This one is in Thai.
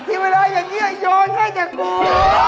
ทีเวลาอย่างนี้อย่าโยนให้แต่กู